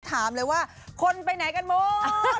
ถามเลยว่าคนไปไหนกันหมด